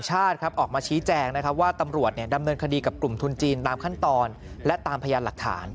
แจงว่าตำรวจดำเนินคดีกับกลุ่มทุนจีนตามขั้นตอนและตามพยานหลักฐาน